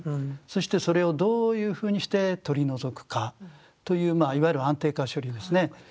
そしてそれをどういうふうにして取り除くかというまあいわゆる安定化処理ですね。